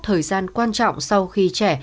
thời gian quan trọng sau khi trẻ